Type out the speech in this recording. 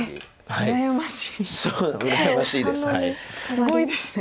すごいですね。